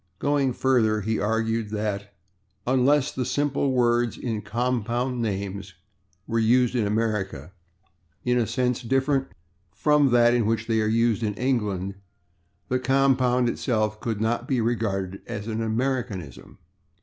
Going further, he argued that unless "the simple words in compound names" were used in America "in a sense different from that in which they are used in England" the compound itself could not be regarded as an Americanism.